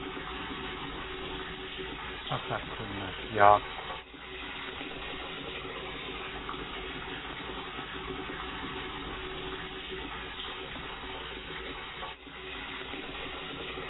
Áx̲ akunalyáakw!